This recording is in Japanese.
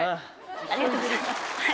ありがとうございますはい。